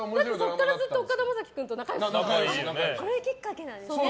そこからずっと岡田将生君と仲良しだもんね。